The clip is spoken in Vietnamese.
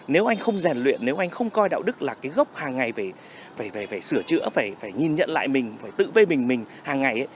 nếu anh không rèn luyện nếu anh không coi đạo đức là cái gốc hàng ngày phải sửa chữa phải nhìn nhận lại mình phải tự phê bình mình hàng ngày ấy